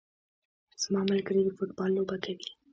زما ملګري د فوټبال لوبه کوي